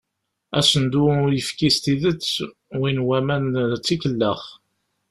Asendu n uyefki s tidet, win n waman d tikellax.